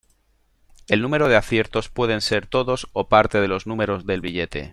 El número de aciertos pueden ser todos o parte de los número del billete.